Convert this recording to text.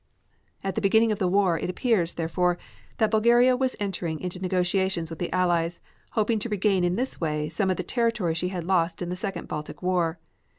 At the beginning of the war it appears, therefore, that Bulgaria was entering into negotiations with the Allies, hoping to regain in this way, some of the territory she had lost in the Second Baltic War.